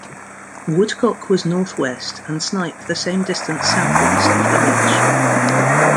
Woodcock was north-west and Snipe the same distance south-west of the ridge.